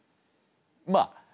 まあ